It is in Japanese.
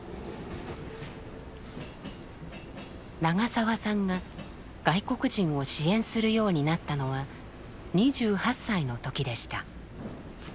長澤さんが外国人を支援するようになったのは２８歳の時でした。